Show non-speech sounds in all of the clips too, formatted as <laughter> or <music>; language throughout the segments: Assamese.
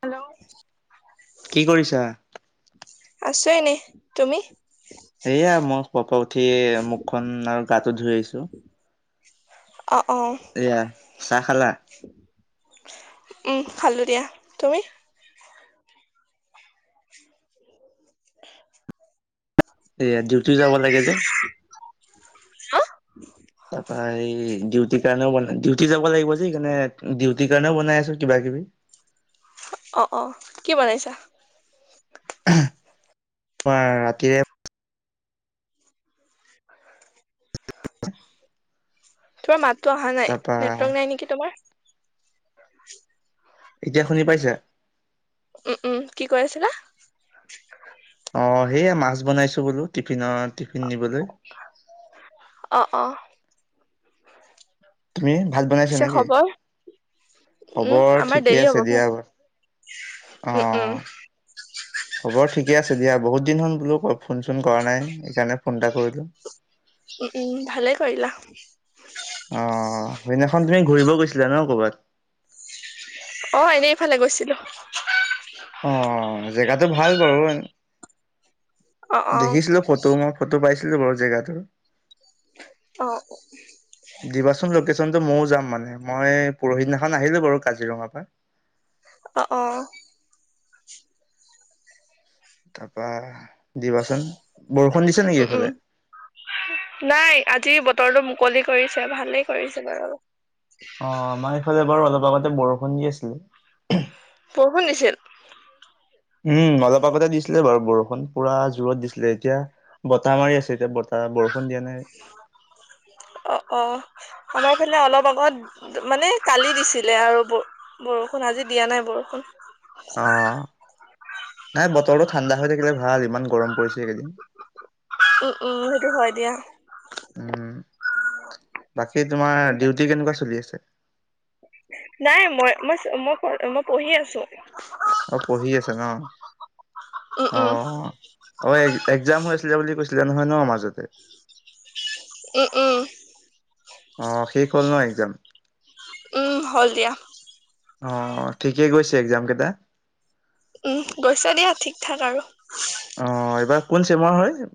হেল্ল'। কি কৰিছা? আছো এনেই তুমি? এইয়া মই খোৱাৰ পৰা উঠি মুখখন আৰু গাটো ধুই আহিছো। <unintelligible> এইয়া চাহ খালা? উম খালো দিয়া। তুমি? এইয়া ডিউটি যাব লাগে যে। হাঁ? তাৰপা হেৰি ডিউটি কাৰণেও বনাই ডিউটি যাব লাগিব সেইকাৰণে ডিউটিৰ কাৰণেও বনাই আছো কিবা কিবি অঁ অঁ কি বনাইছা। তোমাৰ ৰাতিৰে তোমাৰ মাততো অহা নাই তাৰপা নেটৱৰ্ক নাই নেকি তোমাৰ এতিয়া শুনি পাইছা। উম উম কি কৈ আছিলা। অঁ সেইয়ে মাছ বনাইছো বোলো। টিফিনত টিফিন নিবলৈ। অ <inaudible> তুমি ভাত বনাইছা পিছে নেকি। খবৰ উম খবৰ আমাৰ ঠিকেই দেৰি হ'ব আছে দিয়া উম অঁ উম খবৰ ঠিকে আছে দিয়া। বহুত দিন হল বোলো ফোন চোন কৰা নাই সেইকাৰণে ফোন এটা কৰিলো উম ভালে কৰিলা। অ' সেইদিনাখন তুমি ঘূৰিব গৈছিলা ন ক'ৰবাত? অঁ এনেই এইফালে গৈছিলোঁ অ জেগাটো <unintelligible> দেখিছিলোঁ ফটো মই ফটো পাইছিলো বাৰু জেগাতো অঁ কোকেচনটো মওঁ যাম মানে মই পৰহিদিনাখন আহিলো বাৰু কাজিৰঙা পৰা অঁ অঁ। তাৰপৰা দিবাচোন বৰষুণ দিছে নেকি উম উম এইফালে নাই আজি বতৰটো মুকলি কৰিছে ভালেই কৰিছে বাৰু অঁ আমাৰ এইফালে বাৰু অলপ আগতে বৰষুণ দি আছিলে বৰষুন দিছিল উম অলপ আগতে দিছিলে বাৰু বৰষুণ পুৰা জোৰত দিছিলে এতিয়া বতাহ মাৰি আছে এতিয়া বতা বৰষুণ দিয়া নাই আমাৰফালে অলপ আগত মানে কালি দিছিলে আৰু বৰষুণ আজি দিয়া নাই বৰষুণ অঁ নাই বতৰটো ঠাণ্ডা হৈ থাকিলে ভাল ইমান গৰম পৰিছে এইকেইদিন উম উম সেইটো হয় দিয়া। উম বাকী তোমাৰ ডিউটি কেনেকুৱা চলি আছে নাই মই মই মই মই পঢ়ি আছোঁ অঁ পঢ়ি আছা ন উম উম অঁ অঁ একজাম হৈ আছিলে বুলি কৈছিলা নহয় ন মাজতে উম উম। অ শেষ হ'ল ন একজাম উম হ'ল দিয়া অ ঠিকে গৈছে। একজাম কেতা। উম গৈছা দিয়া ঠিক ঠাক আৰু। অ এইবাৰ কোন চেমৰ হয়।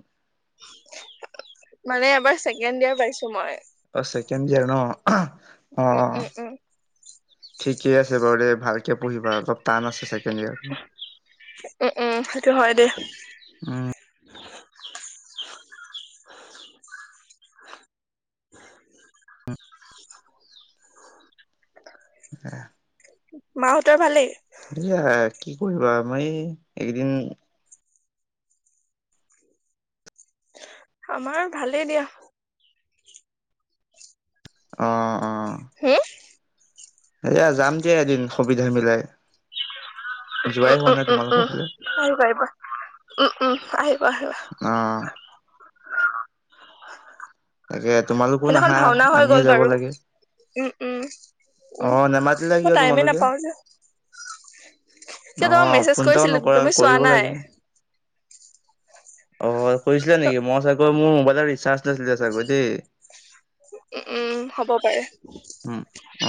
মানে এবাৰ ছেকেণ্ড দিয়াৰ পাইছো মই। অছ ছেকেণ্ড ইয়েৰ ন অ অ। উম উম উম ঠিকে আছে বাৰু দে ভালকে পঢ়িবা অলপ টান আছে ছেকেণ্ড ইয়াৰত। উম উম সেইটো হয় দে। উম <unintelligible> অম এক মাহঁতৰ ভালেই। এয়া কি কৰিবা মই এইকেদিন। আমাৰ ভালেই দিয়া।। অহ-অহ। উম এয়া যাম দিয়া, এদিন সুবিধা মিলাই। যোৱাই হোৱা নাই উ-উ-উম- তোমালোকৰ ফালে উম-উম আহিবা, আহিবা। উম-উম আহিবা আহিবা। অ তাকে তোমালোকো সেইদিনাখন নাহা, ভাওনা হৈ আমিয়ে গ'ল যাব বাৰু লাগে। উম উম উম অহ নোমাতিলে মই কিয় টাইমে তোমালোকে? নাপাও যে। কিয় তোমাক নহয় মেছেজ ফোনটাও কৰিছিলো নকৰা তুমি চোৱা কৰিব নাই লাগে। অ' কৰিছিলে নেকি, মই চাগৈ মোৰ মোবাইলৰ ৰিচাৰ্জ নাছিলে চাগৈ দেই। উ-উম হ'ব পাৰে। উ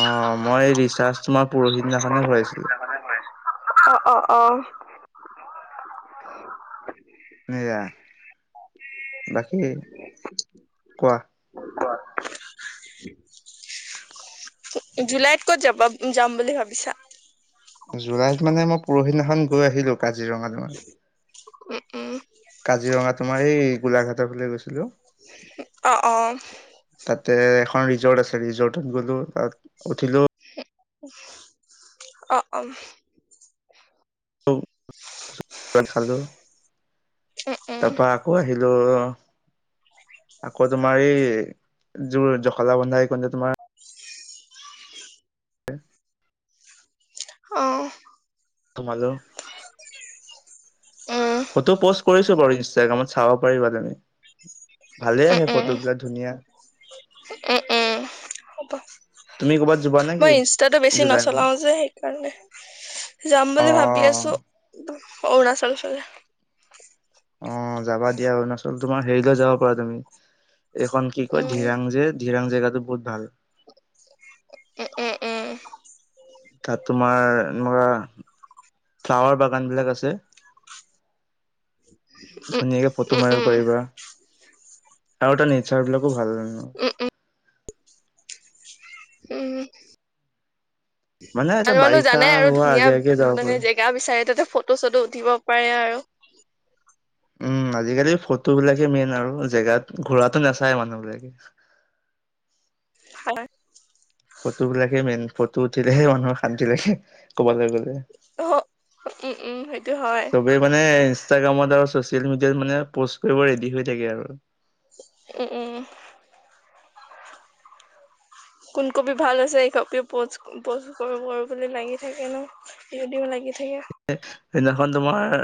অহ মই ৰিচাৰ্জ তোমাৰ পৰহি দিনাখনে কৰিছিলো। অ', -অ', - অ'। এয়া বাকী কোৱা <unintelligible> জুলাইত ক'ত যাবা, যাম বুলি ভাবিছা? জুলাইত মানে মই পৰহিনাখন গৈ আহিলো কাজিৰঙালৈ উ -উম। তাৰফালে গৈছিলো। অ', -অ'। তাতে এখন ৰিজৰ্ট আছে, ৰিজৰ্টত গ'লো তাত উঠিলো। অ', -অ'। <unintelligible> খালো তাৰ উম পৰা আকৌ আহিলো। আৰু আকৌ তোমাৰ এই যোৰ জখলা বন্ধা এই কণ তোমাৰ <unintelligible> অ'। সোমালো উম ফটো পষ্ট কৰিছো বাৰু ইনষ্টা ইষ্টাগ্ৰামত চাব পাৰিবা তুমি, ভালে আহে ফটোবিলাক ধুনীয়া। উ-উ হ'ব। তুমি ক'ৰবাত যোৱা নেকি মই ইনষ্টাটো বেছি জুলাই মাহত নচলাও যে সেইকাৰণে যাম অ বুলি ভাবি আছো, অৰুণাচল ফালে অ' যাবা দিয়া অৰুণাচল, তোমাৰ হেৰি লে যাব পাৰা তুমি এইখন কি কয় উম ধিৰাং যে, ধিৰাং জেগাতো বহুত ভাল। উম-উম-উম। তাত তোমাৰ এনেকুৱা ফ্লাৱাৰ বাগান বিলাক আছে। উম ধুনীয়াকে ফটো উম মাৰিব উম পাৰিবা আৰু তাৰ নেচাৰ বিলাক খুব ভাল হয় ন' উম উম উম'। এটা আৰু মানে বাৰিষা জানে আৰু হোৱাৰ ধুনীয়া আগে আগে যাব মানে পাৰো জেগা বিচাৰে তাতে ফটো চটো উঠিব পাৰে আৰু উম' আজিকালি ফটো বিলাকে মেইন আৰু জেগাত, ঘূৰাতো নাচায় মানুহ বিলাকে। <inaudible> হয়। ফটো বিলাকে মেইন ফটো উঠিলেহে মানুহৰ শান্তি লাগে ক'বলৈ গ'লে অ উম উম সেইটো হয় চবেই মানে ইনষ্টাগ্ৰামত আৰু চছিয়েল চচিয়েল মিডিয়াত মানে পষ্ট কৰিব ৰেডি হৈ থাকে আৰু উ-উম। কোন কপি ভাল হৈছে, এই কপি পষ্ট-পষ্ট কৰো কৰো বুলি লাগি থাকে ন' দিও দিও লাগি থাকে। সেইদিনাখন তোমাৰ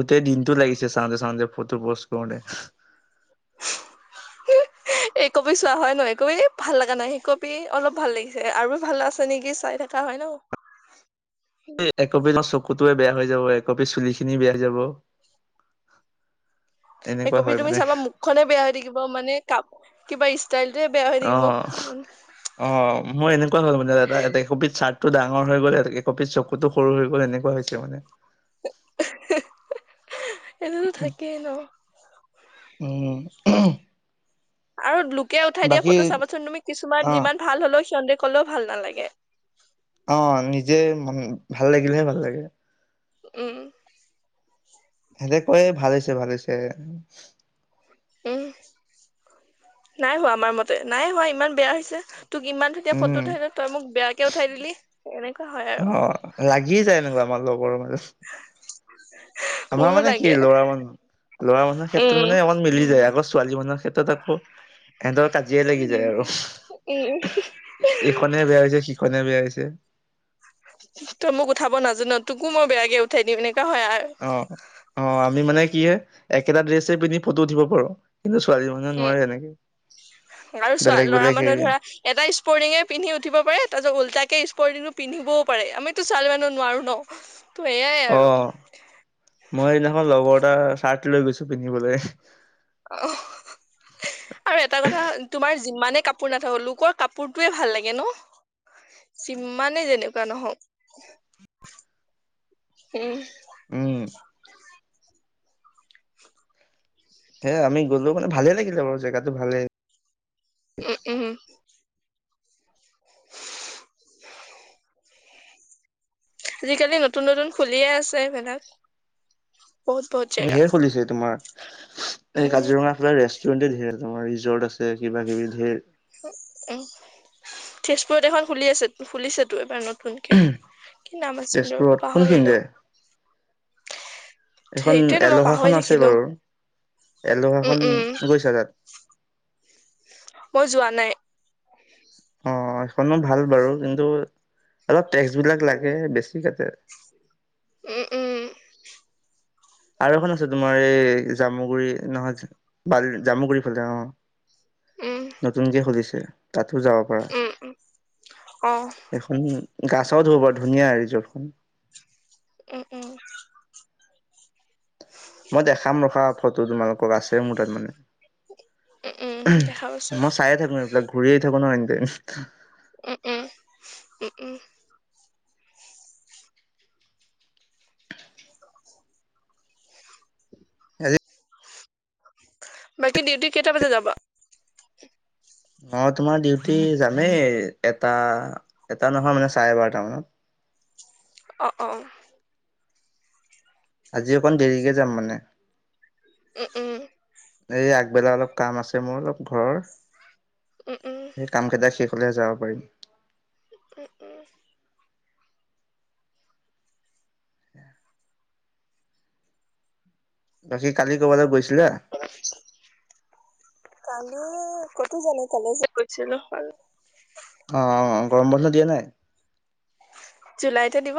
গোটেই দিনটো লাগিছে চাওতে, চাওতে ফটো পোষ্ট কৰোতে <unintelligible> এইকপি চোৱা হয় ন, এইকপি ভাল লগা নাই, শিকবি অলপ ভাল লাগিছে আৰু ভাল আছে নিকি চাই থাকা হয় ন। <unintelligible> একপি চকুটোয়ে বেয়া হৈ যাব, একপি চুলি খিনি বেয়া হৈ যাব। সেই এনেকুৱা কপি হয় তুমি মানে চাবা মুখ খনে বেয়া হৈ থাকিব, মানে কা কিবা ইচ্ অ অ অ মই এনেকুৱা হৈ গলো মানে দাদা একপিত চাৰ্ট ত ডাঙৰ হৈ গলে একপিত চকুতো সৰু হৈ গ'ল, এনেকুৱা হৈছে মানে। এইটোতো থাকেই ন। উম। আৰু লোকে উঠাই দিয়া বাকী ফটো চাবচোন তুমি অ কিছুমান যিমান ভাল হলেও সিহন্দে ক'লেও ভাল নালাগে। অ নিজে ভাল লাগিলেহে ভাল লাগে। উম। এনে কয় ভালহৈছে ভালহৈছে। উম নাই হোৱা আমাৰ মতে, নাই হোৱা ইমান বেয়া হৈছে। তোক ইমান ধুনিয়া উম ফটো উঠাই, তই মোক বেয়াকে উঠাই দিলি। এনেকুৱা হয় আৰু। কি যায় এনিও আমাৰ লগত। <unintelligible> <unintelligible> আমাৰ মোৰো মানে কি লাগে ল'ৰা মানুহ, ল'ৰা মানুহৰ ক্ষেত্ৰত উম। মানে অকমান মিলি যায়। আকৌ ছোৱালী মানুহৰ ক্ষে এ তই তাত হ এনদ কাজিয়াই লাগি যায় আৰু। উম। এইখনে বেয়া হৈছে, সিখনে বেয়া হৈছে। এ তই মোক উঠাব নাজান, তোকো মই বেয়াকে উঠাই দিম। এনে - অ অ আমি মানে কি হয় একেটা ড্ৰেছে পিন্ধি ফটো উঠিব পাৰো। জ উম নোৱাৰে এনেকে আৰু চোৱা বেলেগ লৰা বেলেগ মানুহে হেৰি ধৰা এটা ইস্পৰ্টিঙে পিন্ধি উঠিব পাৰে, তাৰিছত উল্টা ইস্পৰ্তিংটো পিন্ধিবও পাৰে। আমিতো ছোৱালী মানুহ নোৱাৰো ন। ত' এয়াই অ আৰু মই সেইদিনাখন লগৰ এটা চাৰ্ট লৈ গৈছো পিন্ধিবলৈ। অ আৰু এটা কথা তোমাৰ যিমানে কাপোৰ নাথাকক, লোকৰ কাপোৰটোৱে ভাল লাগে ন? যিমানেই যেনেকুৱা নহওক উম। উম। হে আমি গ'লো মানে ভালে লাগিলে বাৰু জেগাতটো ভালে। উম উম উ। <unintelligible> আজিকালি নতুন নতুন খুলিয়ে আছে সেইবিলাক। ধেৰ খুলিছে তোমাৰ। এই উম কাজিৰঙাৰ ফালে ৰেষ্টুৰেণ্টে ধেৰ, তোমাৰ ৰিজৰ্ট আছে। যে কিবা কিবি ধেৰ। উম তেজপুৰত এখন খুলি আছে, খুলিছে তো এইবাৰ নতু নকে, কি নাম আছিল তেজপুৰত ৰ পাহৰিলো। কোনখিনিতে এইখন সেইটোয়েতো মই পাহৰি এলহাখন আছে থাকিলো বাৰু, উম এলহাখন উম গৈছা তাত? মই যোৱা নাই। অ সেইখনো ভাল বাৰু। কিন্তু অলপ টেক্স বিলাক লাগে, বেছি কাটে। উম, উম। আৰু এখন আছে তোমাৰ এই জামুগুৰি নহয় বাল জামুগুৰিৰ ফালে, উম উম অ। নতুনকে খুলিছে। তাতো যাব পাৰা। উম উম অ এখন <unintelligible> বৰ ধুনীয়া ৰিজৰ্টখন। উম, উম। মই দেখাম ৰখা ফটো তোমালোকক আছে মোৰ তাত মানে। উম উম দেখা পাইছো মই চাইয়ে থাকো এইবিলাক, ঘূৰিয়ে থাকো ন এনিটাইম। উম - উম - উম - উম। আজি বাকী ডিউটি কেইটা বজাত যাবা? অ, তোমাৰ ডিউটি যামেই। এটা এটা নহয় মানে চাৰে বাৰটা মানত। অ-অ। আজি অকণ দেৰিকে যাম মানে। উম-উম। এই আগবেলা অলপ কাম আছে মোৰ অলপ ঘৰৰ। উম উম সেই কাম কেইটা শেষ কৰিলে যাব পাৰিম। উম -উম। বাকী কালি ক'বালৈ গৈছি <inaudible> কালি কতো যোৱা নাই। <unintelligible> কালি কৈছিলো, হয়। অ, গৰম বন্ধ দিয়া নাই? জুলাইতহে দিব।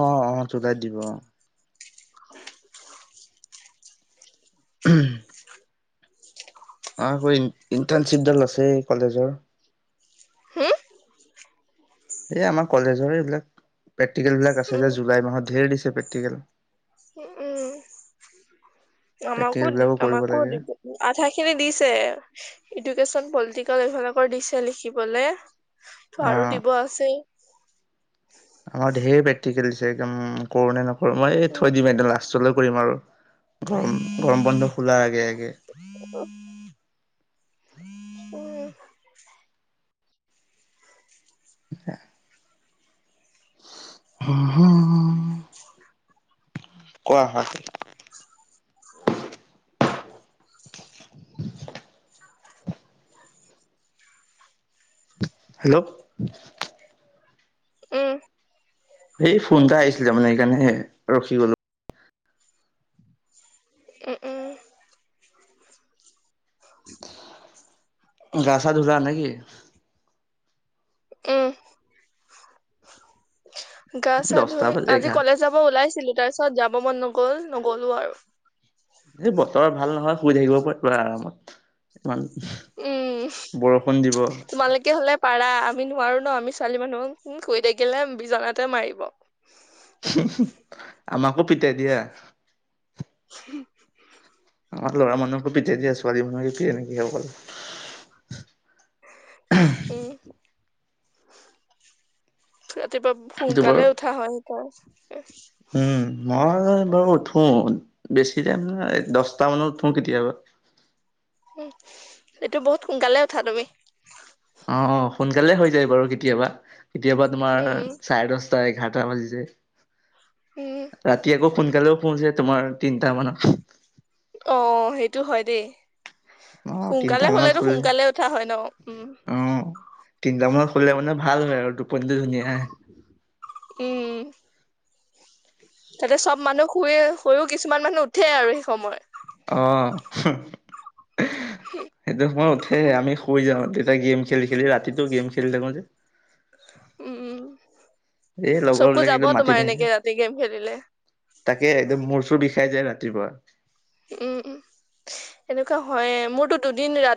অ অ জুলাইত দিব, অ। <inaudible> <inaudible> আকৈ ইণ্টাৰ্ণশ্বিপডাল আছেই কলেজৰ। হুম? এই আমাৰ কলেজৰ এইবিলাক প্ৰেক্টিকেল বিলাক আছে যে। উম জুলাই মাহত ধেৰ দিছে প্ৰেক্টিকেল। উম - উম। আমাকো প্ৰেক্টিকেল দি বিলাকো কৰিব আমাকো লাগে আধা খিনি দিছে। ইটো এডুকেশ্বন, পলিটিকেল এইবিলাকৰ দিছে লিখিবলে। অ। আৰু দিব আছেই। আমাৰ ঢেৰ প্ৰেক্টিকেল দিছে একদম। কৰো নে নকৰো, মই এই উম থৈ দিম এ লাষ্টলৈ। কৰিম আৰু গৰম গৰম বন্ধ খোলাৰ আগে- আগে <inaudible> উম। <inaudible> কোৱা। <inaudible> হেল্ল' উম। এই ফোন এটা আহিছিলে মানে। সেইকাৰণে ৰখি গলো। উম - উম। <inaudible> গা ছা ধূলা নেকি? উম গা চা দহটা ধুই বাজি আজি এঘাৰ কলেজ যাব ওলাইছিলোঁ তাৰ পিছত যাম। যাব মন নগল নগ'লো আৰু। এই বতৰ ভাল নহয় শুই থাকিব পাৰা আৰামত ইমান উম, বৰষুণ দিব তোমালোকে হ'লে পাৰা আমি নোৱাৰো ন আমি ছোৱালী মানুহ শুই থাকিলে বিজনাতে মাৰিব। আমাকো পিটাই দিয়া। উম, আমাৰ ল'ৰা মানুহকো পিটে দিয়া ছোৱালী মানুহকে দিয়ে নেকি অকল। উম, কেতিয়াবা সেইটো সোনকালে বাৰু উঠা হয় তাৰ। উম মই বাৰু উঠো বেছি টাইম নহয় দহটা মানত উঠো কেতিয়াবা। এইটো বহুত সোনকালে উঠা তুমি। অ, সোনকালে হৈ যায় বাৰু কেতিয়াবা। কেতিয়াবা তোমাৰ উম চাৰে দশটা, এঘাৰ টা। বাজি যায়, উম ৰাতি আকৌ সোনকালেও শুওঁ তোমাৰ তিনটা মানত। অ' সেইটো হয় দেই। অ সোনকালে তিনটা মানত হলেতো শুলে সোনকালে উঠা হয় ন। উম, তিনিটামানত শুলে উম মানে ভাল হয় আৰু টোপনিটো ধুনীয়া আহে। উম। তাতে চব মানুহ শুয়ে শুই ও কিছুমান মানুহ উঠে আৰু সেই সময় ত। অ 'সেইটো সময় উঠে, আমি শুই যাওঁ। এটা গেম খেলি খেলি ৰাতিটো গেম খেলি থাকোঁ যে। উম, উম। এই লগৰ চকু বিলাকে যাব একদম মাতি তোমাৰ এনেকে থাকে। ৰাতি গেম খেলিলে তাকে একদম মূৰ চুৰ বিষাই যায় ৰাতি। ৰাতিপুৱা। উম, উম এনেকুৱা হয়। মোৰতো দুদিন ৰাতি